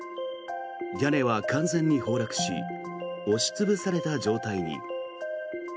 屋根は完全に崩落し押し潰された状態に。